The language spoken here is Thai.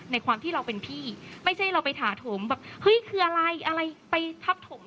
ความที่เราเป็นพี่ไม่ใช่เราไปถาโถมแบบเฮ้ยคืออะไรอะไรไปทับถม